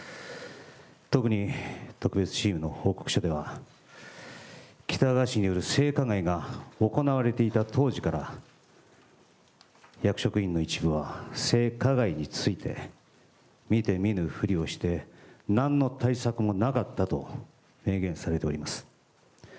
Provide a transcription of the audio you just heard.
特に特別チームの報告書では、喜多川氏による性加害が行われていた当時から、役職員の一部は性加害について、見て見ぬふりをして、なんの対策もなかったと明言されております。